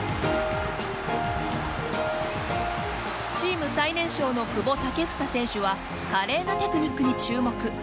チーム最年少の久保建英選手は華麗なテクニックに注目。